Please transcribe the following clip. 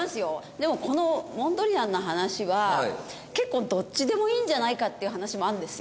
でもこのモンドリアンの話は結構どっちでもいいんじゃないかっていう話もあるんですよ。